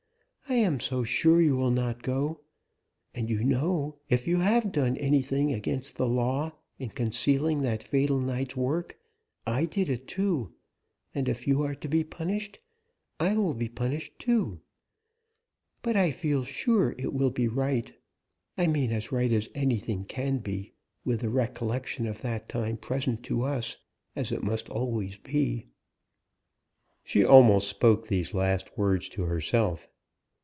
I am so sure you will not go. And you know if you have done anything against the law in concealing that fatal night's work, I did too, and if you are to be punished, I will be punished too. But I feel sure it will be right; I mean, as right as anything can be, with the recollection of that time present to us, as it must always be." She almost spoke these last words to herself.